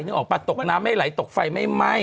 ออกปะตกน้ำไม่ไหลตกไฟไม่ไหม้